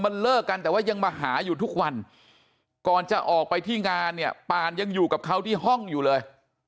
มันเลิกกันแต่ว่ายังมาหาอยู่ทุกวันก่อนจะออกไปที่งานเนี่ยปานยังอยู่กับเขาที่ห้องอยู่เลย